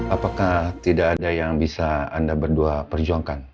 apakah tidak ada yang bisa anda berdua perjuangkan